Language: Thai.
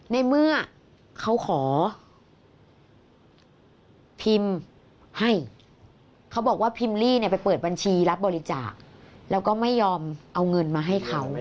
ในเมื่อเขาขอพิมพ์ให้เขาบอกว่าพิมพ์ลี่เนี่ยไปเปิดบัญชีรับบริจาคแล้วก็ไม่ยอมเอาเงินมาให้เขา